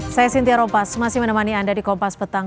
saya sintia ropas masih menemani anda di kompas petang